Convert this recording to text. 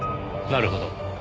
なるほど。